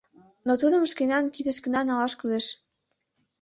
Но тудым шкенан кидышкына налаш кӱлеш.